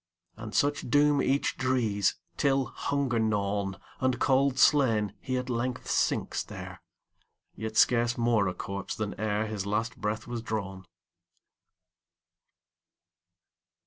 And such doom each drees, Till, hunger gnawn, And cold slain, he at length sinks there, Yet scarce more a corpse than ereHis last breath was drawn.